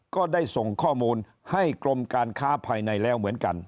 ก็ได้ส่งข้อมูลให้กรมการค้าภายในแล้วเหมือนกัน